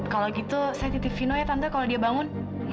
kalau gitu saya titip vino ya tante kalau dia bangun